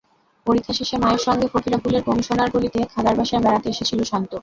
পরীক্ষা শেষে মায়ের সঙ্গে ফকিরাপুলের কমিশনার গলিতে খালার বাসায় বেড়াতে এসেছিল শান্ত।